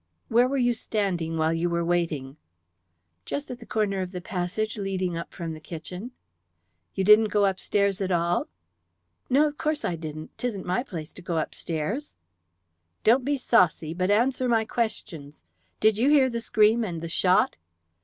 "Where were you standing while you were waiting?" "Just at the corner of the passage leading up from the kitchen." "You didn't go up stairs at all?" "No, of course I didn't. 'Tisn't my place to go upstairs." "Don't be saucy, but answer my questions. Did you hear the scream and the shot?"